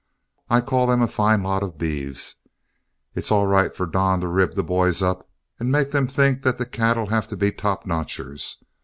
I call them a fine lot of beeves. It's all right for Don to rib the boys up and make them think that the cattle have to be top notchers.